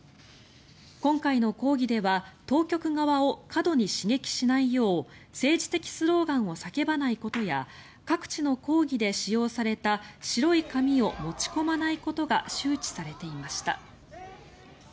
今回の抗議では当局側を過度に刺激しないよう政治的スローガンを叫ばないことや各地の抗議で使用された白い紙を持ち込まないことが周知されていました。